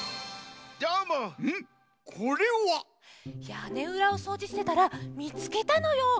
やねうらをそうじしてたらみつけたのよ。